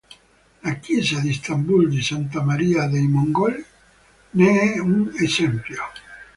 La chiesa di Istanbul di Santa Maria dei Mongoli ne è un esempio.